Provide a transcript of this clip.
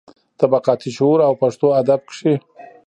طبقاتي شعور او پښتو ادب کې.